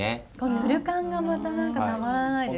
ぬる燗がまた何かたまらないです。